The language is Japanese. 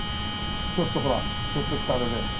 ちょっとほらちょっとしたあれで。